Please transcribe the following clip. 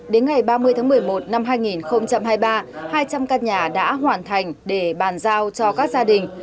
đến ngày ba mươi tháng một mươi một năm hai nghìn hai mươi ba hai trăm linh căn nhà đã hoàn thành để bàn giao cho các gia đình